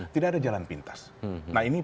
tidak ada jalan pintas nah ini